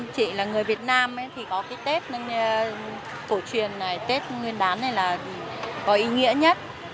chị là người việt nam thì có cái tết cổ truyền tết nguyên đán này là có ý nghĩa nhất